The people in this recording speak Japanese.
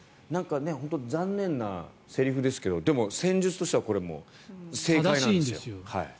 残念なセリフですけどでも、戦術としては正解なんですよね。